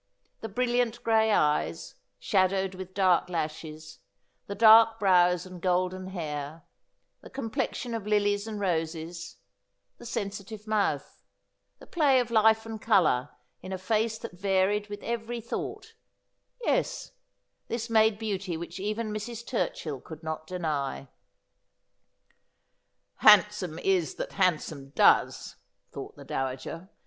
The brilliant gray eyes, shadowed with dark lashes ; the dark brows and golden hair ; the complexion of lilies and roses ; the sensitive mouth ; the play of life and colour in a face that varied with every thought — yes ; this made beauty which even Mrs. Turchill could not deny. ' Handsome is that handsome does,' thought the dowager.